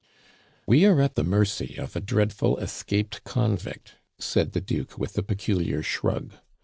"We are at the mercy of a dreadful escaped convict!" said the Duke, with a peculiar shrug.